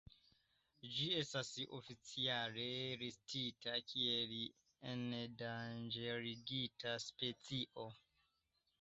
Ĝi estas oficiale listita kiel endanĝerigita specio.